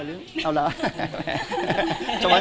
เพราะปกติผมเฉยเต็มะ